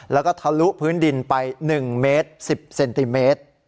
แล้วก็ทะลุพื้นดินไป๑เมตร๑๐เซนติเมตร